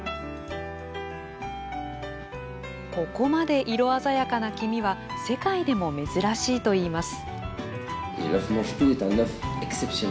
ここまで色鮮やかな黄身は世界でも珍しいといいます。